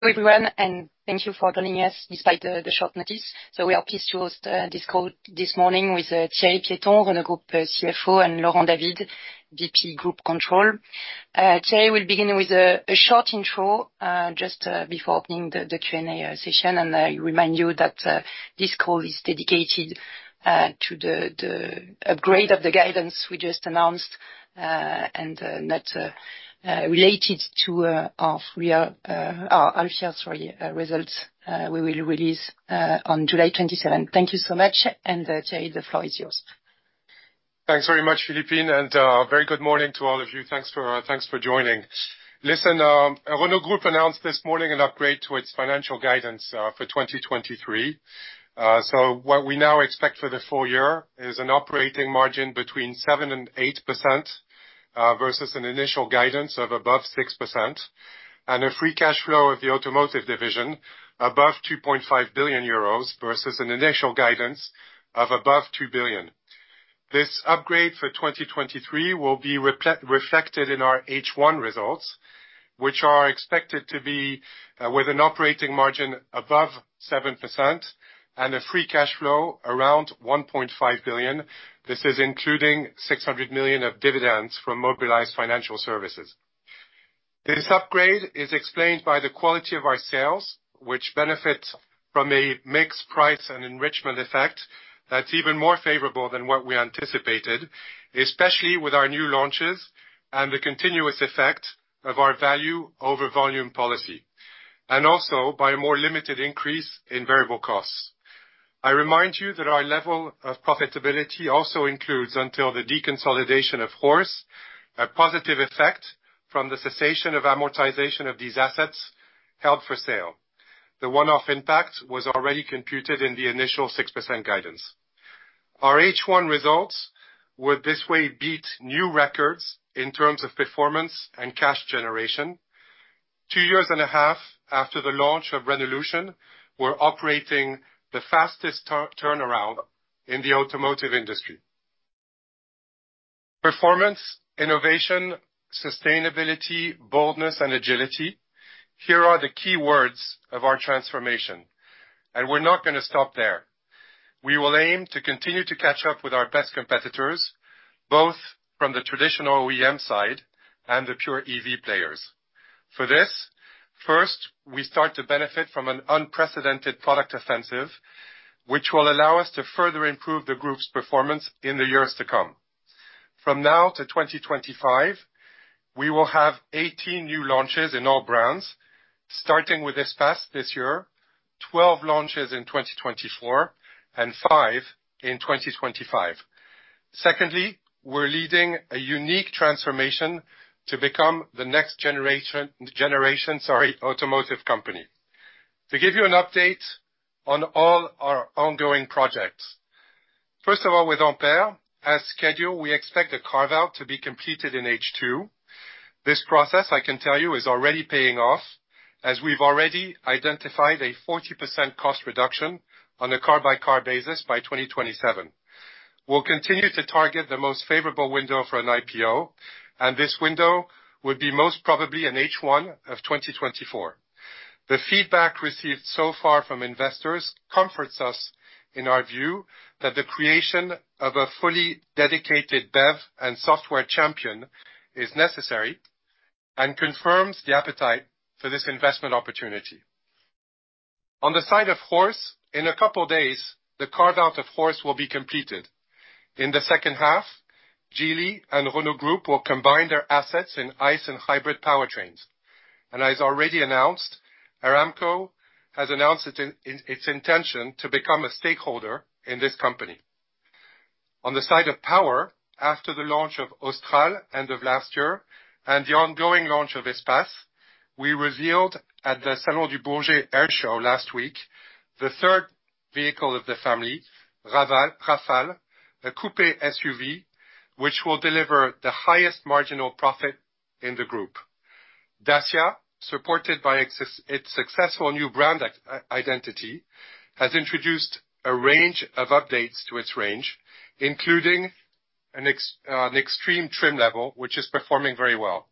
Hello, everyone, and thank you for joining us despite the short notice. We are pleased to host this call this morning with Thierry Piéton, Renault Group CFO, and Laurent David, SVP, Group Controller. Today, we'll begin with a short intro just before opening the Q&A session. I remind you that this call is dedicated to the upgrade of the guidance we just announced and not related to our half-year, sorry, results we will release on July 27th. Thank you so much. Thierry, the floor is yours. Thanks very much, Philippine, very good morning to all of you. Thanks for joining. Listen, Renault Group announced this morning an upgrade to its financial guidance for 2023. What we now expect for the full year is an operating margin between 7% and 8%, versus an initial guidance of above 6%, and a free cash flow of the automotive division above 2.5 billion euros, versus an initial guidance of above 2 billion. This upgrade for 2023 will be reflected in our H1 results, which are expected to be with an operating margin above 7%, and a free cash flow around 1.5 billion. This is including 600 million of dividends from Mobilize Financial Services. This upgrade is explained by the quality of our sales, which benefit from a mixed price and enrichment effect that's even more favorable than what we anticipated, especially with our new launches and the continuous effect of our value over volume policy, and also by a more limited increase in variable costs. I remind that our level of profitability also includes, until the deconsolidation of Horse, a positive effect from the cessation of amortization of these assets held for sale. The one-off impact was already computed in the initial 6% guidance. Our H1 results would this way beat new records in terms of performance and cash generation. Two years and a half after the launch of Renaulution, we're operating the fastest turnaround in the automotive industry. Performance, innovation, sustainability, boldness and agility, here are the key words of our transformation. We're not gonna stop there. We will aim to continue to catch up with our best competitors, both from the traditional OEM side and the pure EV players. For this, first, we start to benefit from an unprecedented product offensive, which will allow us to further improve the group's performance in the years to come. From now to 2025, we will have 18 new launches in all brands, starting with Espace this year, 12 launches in 2024, and five in 2025. Secondly, we're leading a unique transformation to become the next generation, sorry, automotive company. To give you an update on all our ongoing projects. First of all, with Ampere, as scheduled, we expect the carve-out to be completed in H2. This process, I can tell you, is already paying off, as we've already identified a 40% cost reduction on a car-by-car basis by 2027. We'll continue to target the most favorable window for an IPO. This window would be most probably in H1 of 2024. The feedback received so far from investors comforts us in our view that the creation of a fully dedicated dev and software champion is necessary and confirms the appetite for this investment opportunity. On the side of Horse, in a couple days, the carve-out of Horse will be completed. In the second half, Geely and Renault Group will combine their assets in ICE and hybrid powertrains. As already announced, Aramco has announced its intention to become a stakeholder in this company. On the side of Power, after the launch of Austral end of last year, and the ongoing launch of Espace, we revealed at the Salon du Bourget Air Show last week, the third vehicle of the family, Rafale, a coupe SUV, which will deliver the highest marginal profit in the group. Dacia, supported by its successful new brand identity, has introduced a range of updates to its range, including an Extreme trim level, which is performing very well.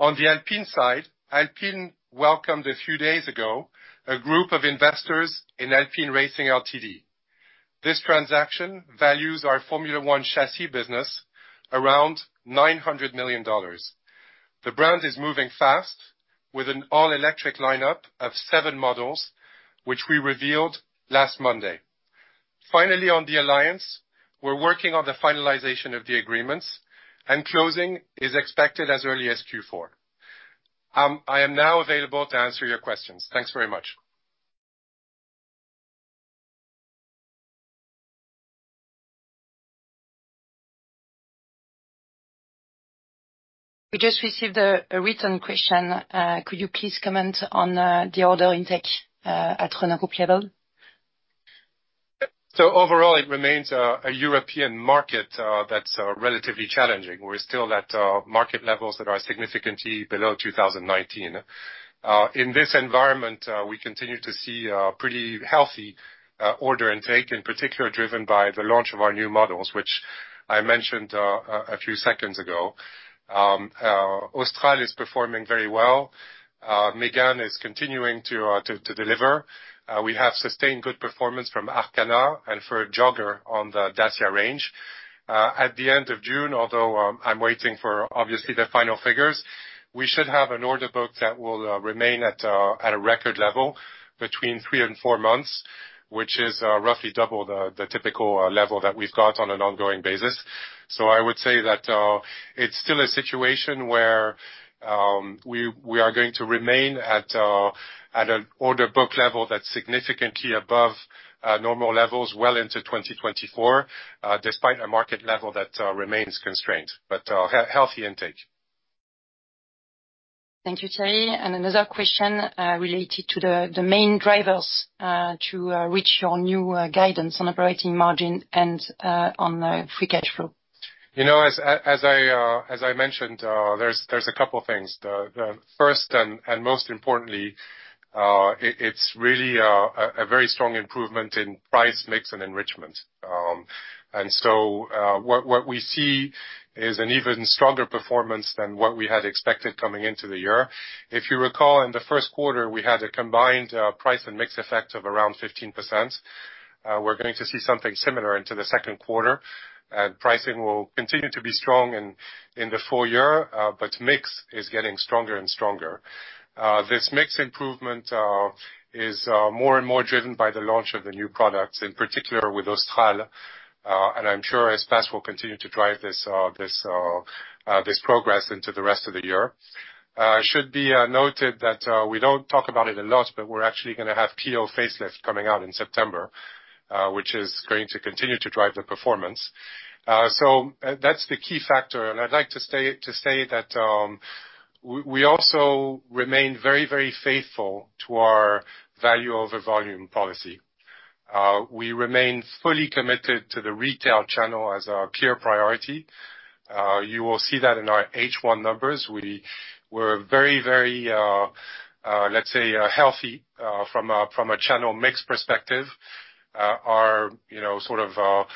On the Alpine side, Alpine welcomed a few days ago, a group of investors in Alpine Racing Ltd. This transaction values our Formula 1 chassis business around $900 million. The brand is moving fast, with an all-electric lineup of seven models, which we revealed last Monday. Finally, on the Alliance, we're working on the finalization of the agreements. Closing is expected as early as Q4. I am now available to answer your questions. Thanks very much. We just received a written question. Could you please comment on the order intake at Renault Group level? Overall, it remains a European market that's relatively challenging. We're still at market levels that are significantly below 2019. In this environment, we continue to see a pretty healthy order intake, in particular, driven by the launch of our new models, which I mentioned a few seconds ago. Austral is performing very well. Mégane is continuing to deliver. We have sustained good performance from Arkana and for Jogger on the Dacia range. At the end of June, although I'm waiting for, obviously, the final figures, we should have an order book that will remain at a record level between three and four months, which is roughly double the typical level that we've got on an ongoing basis. I would say that, it's still a situation where, we are going to remain at an order book level that's significantly above, normal levels well into 2024, despite a market level that remains constrained. Healthy intake. Thank you, Thierry. Another question related to the main drivers to reach your new guidance on operating margin and on the free cash flow? You know, as I mentioned, there's a couple things. The first and most importantly, it's really a very strong improvement in price, mix, and enrichment. What we see is an even stronger performance than what we had expected coming into the year. If you recall, in the first quarter, we had a combined price and mix effect of around 15%. We're going to see something similar into the second quarter, and pricing will continue to be strong in the full year, but mix is getting stronger and stronger. This mix improvement is more and more driven by the launch of the new products, in particular with Austral, and I'm sure Espace will continue to drive this progress into the rest of the year. It should be noted that we don't talk about it a lot, but we're actually gonna have Clio facelift coming out in September, which is going to continue to drive the performance. That's the key factor, and I'd like to say that we also remain very, very faithful to our value over volume policy. We remain fully committed to the retail channel as our clear priority. You will see that in our H1 numbers. We were very, very, let's say, healthy, from a, from a channel mix perspective. Our, you know, sort of,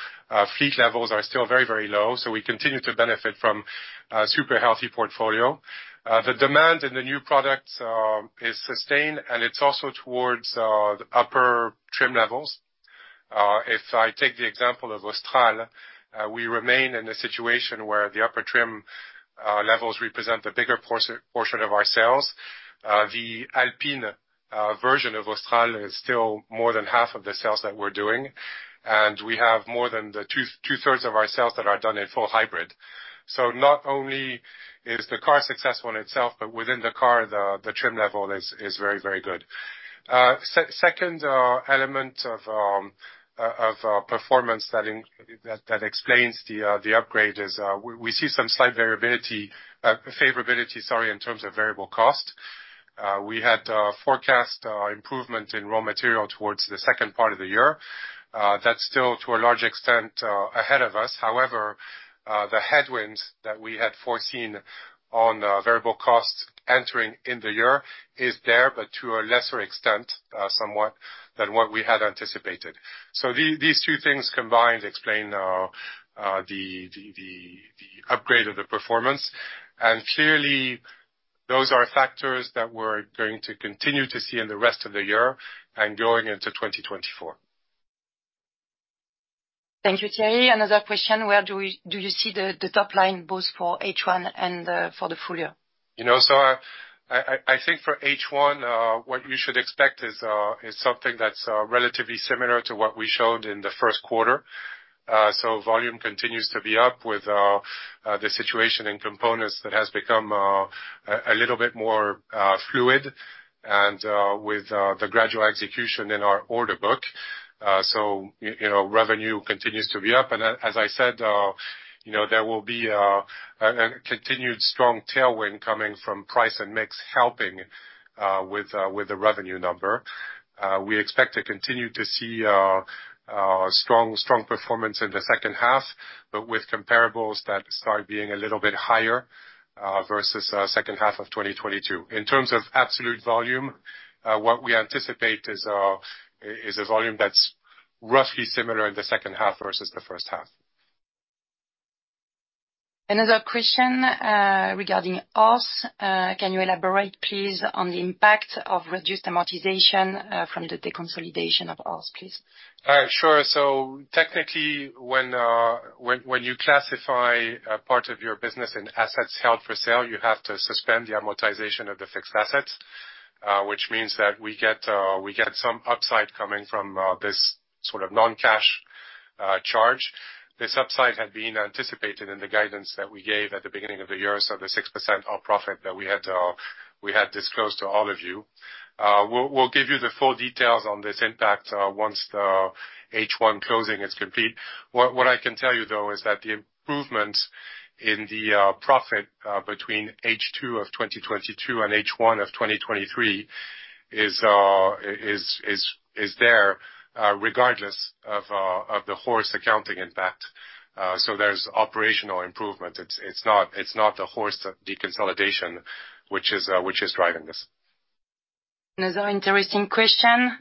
fleet levels are still very, very low, so we continue to benefit from a super healthy portfolio. The demand in the new products is sustained, and it's also towards the upper trim levels. If I take the example of Austral, we remain in a situation where the upper trim levels represent a bigger portion of our sales. The Alpine version of Austral is still more than half of the sales that we're doing, and we have more than two-thirds of our sales that are done in full hybrid. Not only is the car successful in itself, but within the car, the trim level is very, very good. Second element of performance that explains the upgrade is we see some slight variability, favorability, sorry, in terms of variable cost. We had forecast improvement in raw material towards the second part of the year. That's still, to a large extent, ahead of us. However, the headwinds that we had foreseen on variable costs entering in the year is there, but to a lesser extent, somewhat, than what we had anticipated. These two things combined explain the upgrade of the performance. Clearly, those are factors that we're going to continue to see in the rest of the year and going into 2024. Thank you, Thierry. Another question: Where do you see the top line, both for H1 and for the full year? You know, I think for H1, what you should expect is something that's relatively similar to what we showed in the first quarter. Volume continues to be up with the situation in components that has become a little bit more fluid and with the gradual execution in our order book. You know, revenue continues to be up, and as I said, you know, there will be a continued strong tailwind coming from price and mix, helping with the revenue number. We expect to continue to see strong performance in the second half, but with comparables that start being a little bit higher versus second half of 2022. In terms of absolute volume, what we anticipate is a volume that's roughly similar in the second half versus the first half. Another question regarding Horse. Can you elaborate, please, on the impact of reduced amortization from the deconsolidation of Horse, please? Sure. Technically, when you classify a part of your business in assets held for sale, you have to suspend the amortization of the fixed assets, which means that we get some upside coming from this sort of non-cash charge. This upside had been anticipated in the guidance that we gave at the beginning of the year, so the 6% of profit that we had disclosed to all of you. We'll give you the full details on this impact once the H1 closing is complete. What I can tell you, though, is that the improvement in the profit between H2 of 2022 and H1 of 2023 is there regardless of the Horse accounting impact. There's operational improvement. It's not the Horse deconsolidation which is driving this. Another interesting question: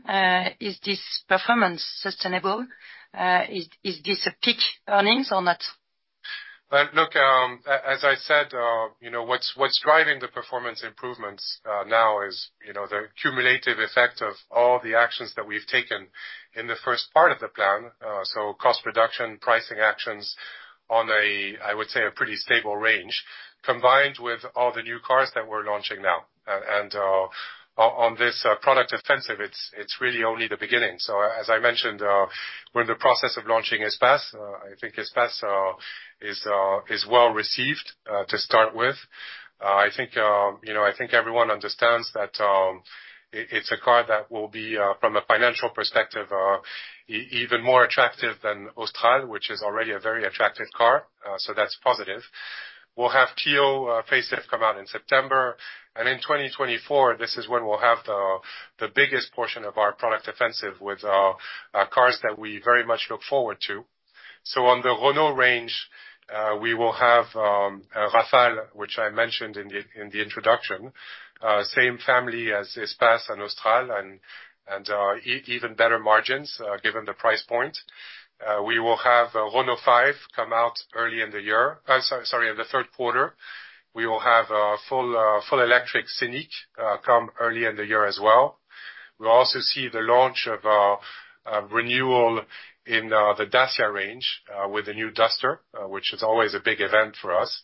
Is this performance sustainable? Is this a peak earnings or not? Look, you know, what's driving the performance improvements now is, you know, the cumulative effect of all the actions that we've taken in the first part of the plan. Cost reduction, pricing actions on a, I would say, a pretty stable range, combined with all the new cars that we're launching now. On, on this product offensive, it's really only the beginning. As I mentioned, we're in the process of launching Espace. I think Espace is well-received to start with. I think, you know, I think everyone understands that it's a car that will be from a financial perspective even more attractive than Austral, which is already a very attractive car. That's positive. We'll have Clio facelift come out in September, and in 2024, this is when we'll have the biggest portion of our product offensive, with cars that we very much look forward to. On the Renault range, we will have Rafale, which I mentioned in the introduction. Same family as Espace and Austral, and even better margins, given the price point. We will have Renault 5 come out in the third quarter. We will have a full electric Scenic come early in the year as well. We'll also see the launch of our renewal in the Dacia range with the new Duster, which is always a big event for us.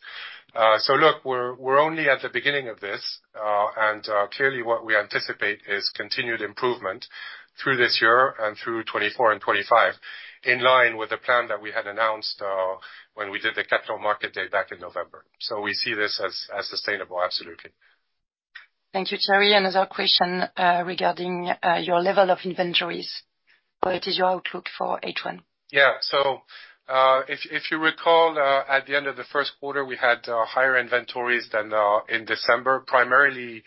look, we're only at the beginning of this, and clearly what we anticipate is continued improvement through this year and through 2024 and 2025, in line with the plan that we had announced when we did the Capital Markets Day back in November. We see this as sustainable, absolutely. Thank you, Thierry. Another question, regarding your level of inventories. What is your outlook for H1? If you recall, at the end of the first quarter, we had higher inventories than in December, primarily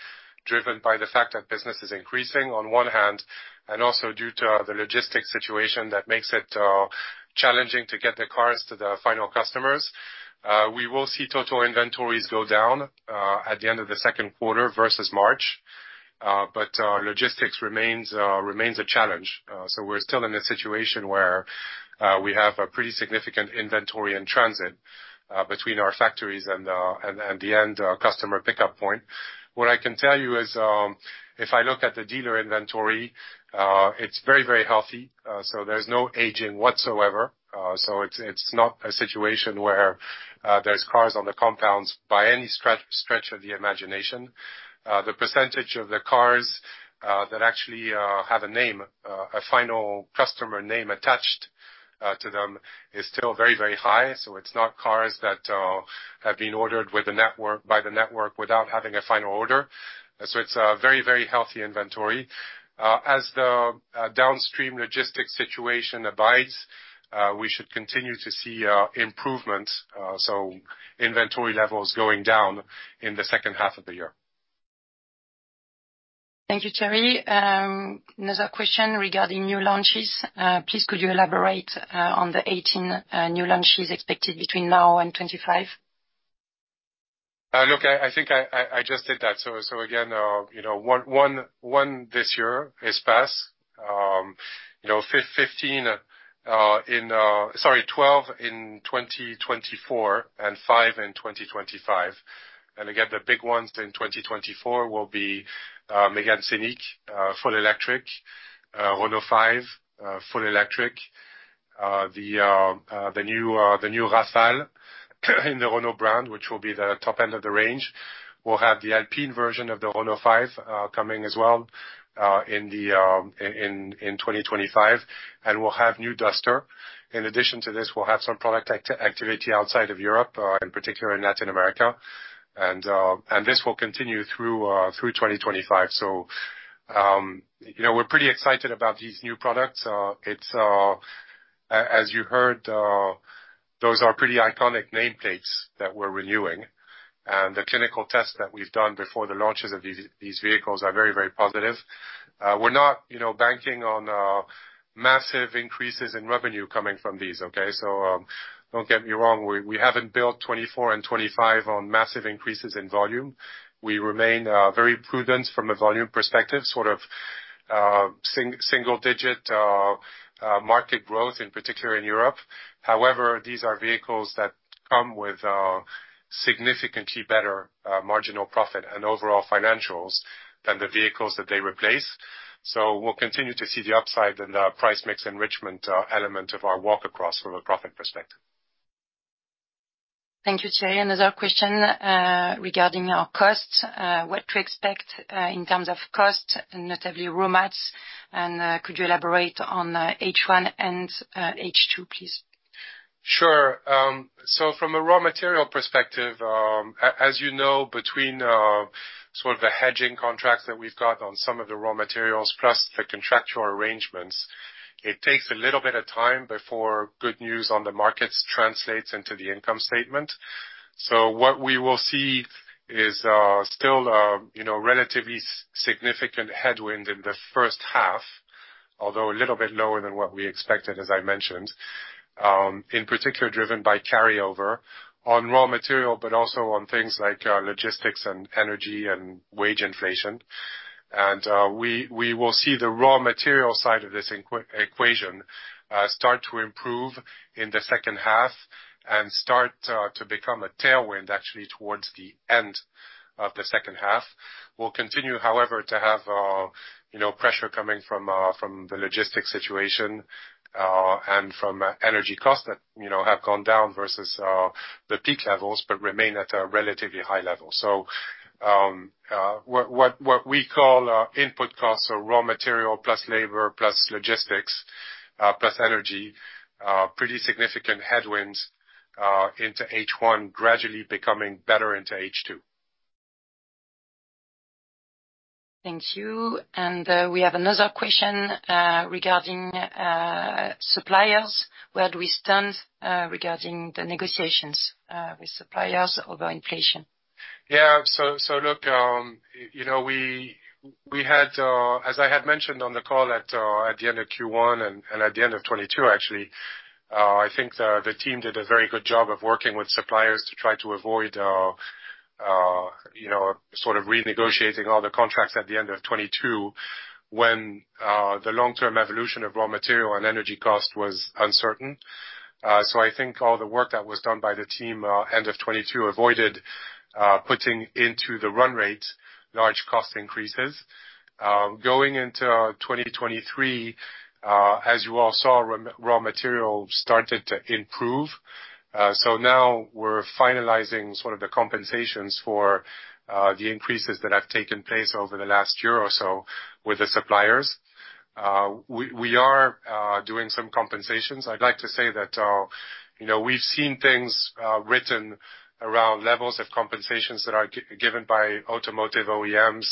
driven by the fact that business is increasing, on one hand, and also due to the logistics situation that makes it challenging to get the cars to the final customers. We will see total inventories go down at the end of the second quarter versus March. Logistics remains a challenge. We're still in a situation where we have a pretty significant inventory in transit between our factories and the end customer pickup point. What I can tell you is, if I look at the dealer inventory, it's very, very healthy, so there's no aging whatsoever. It's not a situation where there's cars on the compounds by any stretch of the imagination. The percentage of the cars that actually have a name, a final customer name attached to them, is still very, very high, so it's not cars that have been ordered by the network without having a final order. It's a very, very healthy inventory. As the downstream logistics situation abides, we should continue to see improvement, so inventory levels going down in the second half of the year. Thank you, Thierry. Another question regarding new launches. Please, could you elaborate on the 18 new launches expected between now and 2025? Look, I think I, I just did that. Again, you know, one this year, Espace. You know, 15 in. Sorry, 12 in 2024, and five in 2025. Again, the big ones in 2024 will be Mégane Scenic, full electric, Renault 5, full electric, the new Rafale in the Renault brand, which will be the top end of the range. We'll have the Alpine version of the Renault 5 coming as well in 2025, and we'll have new Duster. In addition to this, we'll have some product activity outside of Europe, in particular in Latin America. This will continue through 2025. You know, we're pretty excited about these new products. It's as you heard, those are pretty iconic nameplates that we're renewing, and the clinical tests that we've done before the launches of these vehicles are very, very positive. We're not, you know, banking on massive increases in revenue coming from these, okay? Don't get me wrong, we haven't built 2024 and 2025 on massive increases in volume. We remain very prudent from a volume perspective, sort of single-digit market growth, in particular in Europe. However, these are vehicles that come with significantly better marginal profit and overall financials than the vehicles that they replace. We'll continue to see the upside in the price mix enrichment element of our walk across from a profit perspective. Thank you, Thierry. Another question regarding our costs. What to expect in terms of cost, and notably raw mats, and could you elaborate on H1 and H2, please? Sure. From a raw material perspective, as you know, between the hedging contracts that we've got on some of the raw materials, plus the contractual arrangements, it takes a little bit of time before good news on the markets translates into the income statement. What we will see is still, you know, relatively significant headwind in the first half. Although a little bit lower than what we expected, as I mentioned, in particular, driven by carryover on raw material, but also on things like logistics and energy and wage inflation. We will see the raw material side of this equation start to improve in the second half and start to become a tailwind actually towards the end of the second half. We'll continue, however, to have, you know, pressure coming from the logistics situation, and from energy costs that, you know, have gone down versus, the peak levels, but remain at a relatively high level. What we call, input costs, so raw material plus labor, plus logistics, plus energy, pretty significant headwinds, into H1, gradually becoming better into H2. Thank you. We have another question regarding suppliers. Where do we stand regarding the negotiations with suppliers over inflation? Look, you know, we had, as I had mentioned on the call at the end of Q1 and at the end of 2022, actually, I think the team did a very good job of working with suppliers to try to avoid, you know, sort of renegotiating all the contracts at the end of 2022, when the long-term evolution of raw material and energy cost was uncertain. I think all the work that was done by the team, end of 2022, avoided putting into the run rate large cost increases. Going into 2023, as you all saw, raw material started to improve. Now we're finalizing sort of the compensations for the increases that have taken place over the last year or so with the suppliers. We are doing some compensations. I'd like to say that, you know, we've seen things written around levels of compensations that are given by automotive OEMs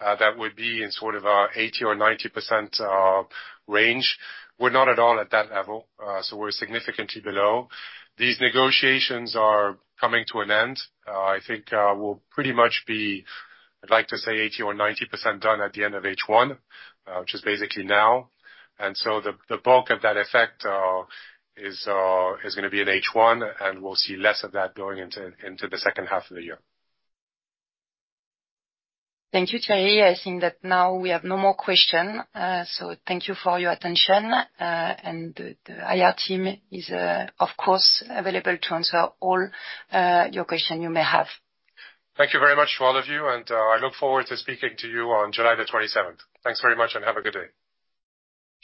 that would be in sort of 80% or 90% range. We're not at all at that level, so we're significantly below. These negotiations are coming to an end. I think we'll pretty much be, I'd like to say, 80% or 90% done at the end of H1, which is basically now. The bulk of that effect is gonna be in H1, and we'll see less of that going into the second half of the year. Thank you, Thierry. I think that now we have no more question. Thank you for your attention. The IR team is of course, available to answer all your question you may have. Thank you very much to all of you, and, I look forward to speaking to you on July the 27th. Thanks very much, and have a good day.